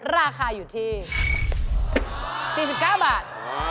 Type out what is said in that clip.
ราคาอยู่ที่๔๙บาท